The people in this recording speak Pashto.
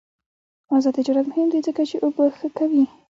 آزاد تجارت مهم دی ځکه چې اوبه ښه کوي.